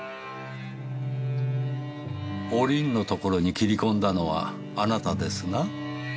おりんのところに斬り込んだのはあなたですな？